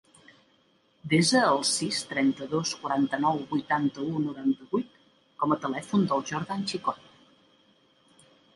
Desa el sis, trenta-dos, quaranta-nou, vuitanta-u, noranta-vuit com a telèfon del Jordan Chicon.